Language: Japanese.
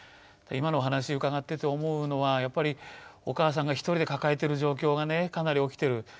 今のお話うかがってて思うのはやっぱりお母さんが一人で抱えてる状況がねかなり起きてる。